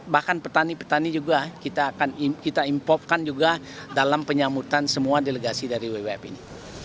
bahkan petani petani juga kita akan kita importkan juga dalam penyambutan semua delegasi dari wwf ini